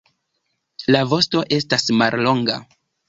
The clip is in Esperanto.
La vosto estas mallonga.